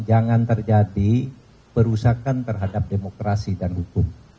jangan terjadi perusakan terhadap demokrasi dan hukum